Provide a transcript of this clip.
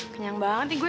kenyang banget nih gue